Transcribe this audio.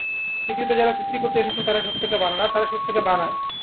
পৃথিবীতে যারা সৃষ্টি করতে এসেছে তারা সত্যকে মানে না, তারা সত্যকে বানায়।